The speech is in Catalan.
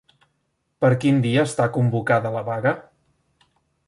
Per quin dia està convocada la vaga?